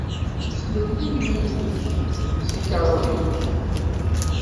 Slelli iman-nnek seg kaṛuh-nnek.